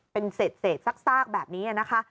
เป็นเศษซากแบบนี้